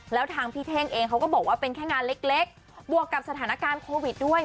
แล้วทางพี่เท่งเองเขาก็บอกว่าเป็นแค่งานเล็กบวกกับสถานการณ์โควิดด้วย